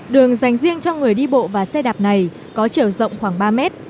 đường dành riêng cho người đi bộ và xe đạp này có chiều rộng khoảng ba mét